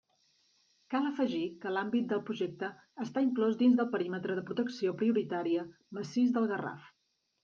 Cal afegir que l'àmbit del Projecte està inclòs dins del perímetre de protecció prioritària Massís del Garraf.